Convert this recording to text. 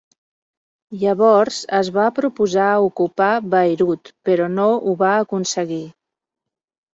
Llavors es va proposar ocupar Beirut però no ho va aconseguir.